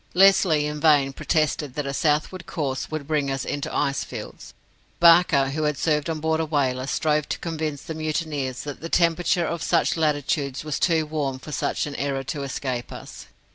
Lesly in vain protested that a southward course would bring us into icefields. Barker, who had served on board a whaler, strove to convince the mutineers that the temperature of such latitudes was too warm for such an error to escape us.